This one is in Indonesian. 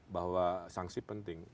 bahwa sanksi penting